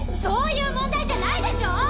そういう問題じゃないでしょ！